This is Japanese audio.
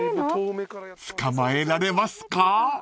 ［捕まえられますか？］